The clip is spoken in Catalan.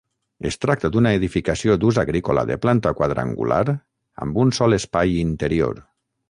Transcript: Es tracta d'una edificació d'ús agrícola de planta quadrangular amb un sol espai interior.